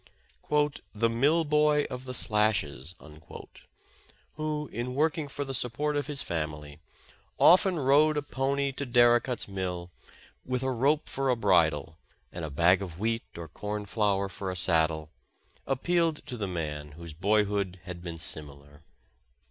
272 Friends and Companions ''The Mill Boy of the Slashes," who, in working for the support of his family, often rode a pony to Dari cott's mill, with a rope for a bridle, and a bag of wheat or corn flour for a saddle, appealed to the man whose boyhood had been similar.